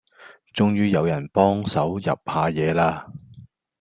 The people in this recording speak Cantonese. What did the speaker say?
終於有人幫手入下野啦